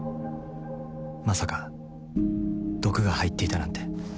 まさか毒が入っていたなんて。